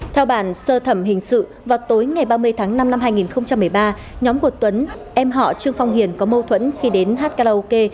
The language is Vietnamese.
theo bản sơ thẩm hình sự vào tối ngày ba mươi tháng năm năm hai nghìn một mươi ba nhóm của tuấn em họ trương phong hiền có mâu thuẫn khi đến hát karaoke